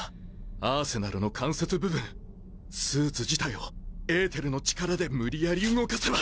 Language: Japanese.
アーセナルの関節部分スーツ自体をエーテルの力で無理やり動かせば